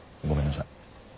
ごめんなさい。